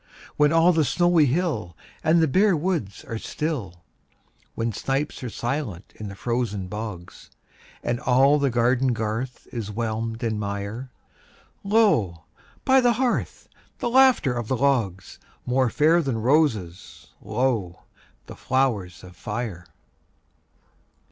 When all the snowy hill And the bare woods are still; When snipes are silent in the frozen bogs, And all the garden garth is whelmed in mire, Lo, by the hearth, the laughter of the logs— More fair than roses, lo, the flowers of fire!